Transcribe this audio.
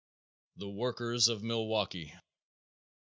_The Workers of Milwaukee.